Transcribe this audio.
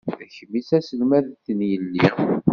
D kemm i d taselmadt n yelli..